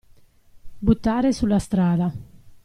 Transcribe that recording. Buttare sulla strada.